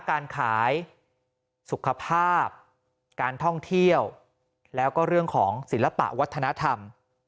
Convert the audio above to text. การขายสุขภาพการท่องเที่ยวแล้วก็เรื่องของศิลปะวัฒนธรรม